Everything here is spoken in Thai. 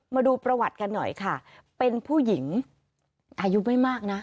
มาดูประวัติกันหน่อยค่ะเป็นผู้หญิงอายุไม่มากนะ